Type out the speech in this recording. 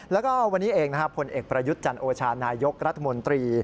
แล้วก็วันนี้เองนะครับผลเอกประยุทธ์จันโอชานายกรัฐมนตรี